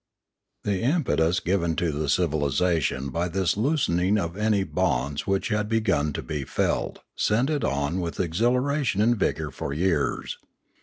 The impetus given to the civilisation by this loosen ing of any bonds which had been begun to be felt sent it on with exhilaration and vigour for years.